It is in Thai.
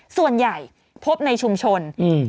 ส่วนใหญ่พบในชุมชน